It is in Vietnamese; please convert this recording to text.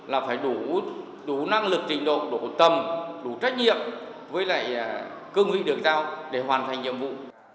là phải đủ năng lực trình độ đủ tầm đủ trách nhiệm với lại cương vị được giao để hoàn thành nhiệm vụ